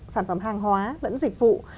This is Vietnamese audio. sản phẩm hàng hóa lẫn dịch vụ